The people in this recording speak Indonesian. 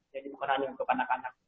jadi bukan hanya untuk anak anak